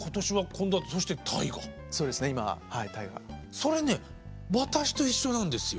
それね私と一緒なんですよ。